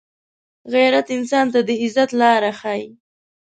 غیرت انسان ته د عزت لاره ښيي